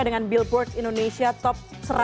dengan billboard indonesia top seratus